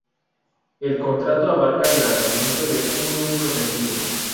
El contrato abarcaba el lanzamiento de un único sencillo.